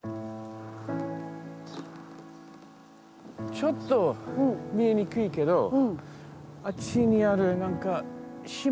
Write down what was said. ちょっと見えにくいけどあっちにある何か島み